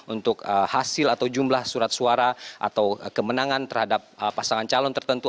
untuk hasil atau jumlah surat suara atau kemenangan terhadap pasangan calon tertentu